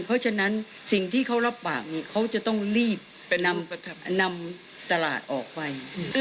เพราะฉะนั้นสิ่งที่เขารับปากเขาจะต้องรีบไปนำตลาดออกไป